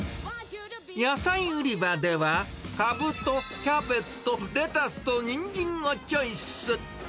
野菜売り場では、カブとキャベツとレタスとにんじんをチョイス。